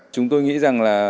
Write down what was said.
chúng tôi nghĩ rằng là